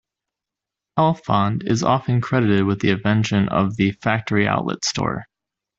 Alfond is often credited with the invention of the factory outlet store.